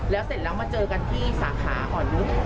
แล้วเสร็จแล้วมาเจอกันที่สาขาอ่อนนุษย์